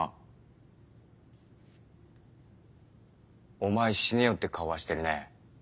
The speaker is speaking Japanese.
「お前死ねよ」って顔はしてるね。